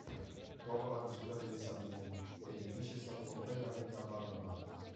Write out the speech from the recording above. Dopo la chiusura delle saline, l'edificio è stato completamente abbandonato.